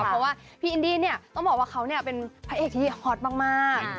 เพราะว่าพี่อินดี้เนี่ยต้องบอกว่าเขาเป็นพระเอกที่ฮอตมาก